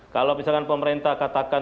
kalau misalkan pemerintah katakan